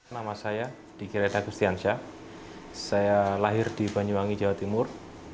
nama saya diki reta gustiansyah saya lahir di banyuwangi jawa timur